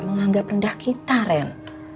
menganggap rendah kita ren